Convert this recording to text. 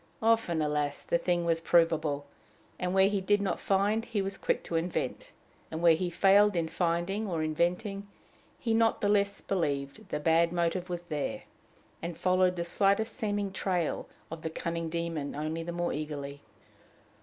Often, alas! the thing was provable; and, where he did not find, he was quick to invent; and, where he failed in finding or inventing, he not the less believed the bad motive was there, and followed the slightest seeming trail of the cunning demon only the more eagerly.